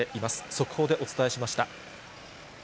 速報でお伝えしました。